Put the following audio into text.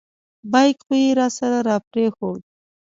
بیک خو یې راسره را پرېښود.